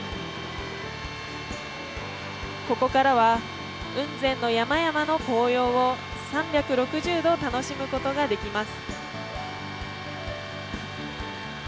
ここからは雲仙の山々の紅葉３６０度楽しむことができます。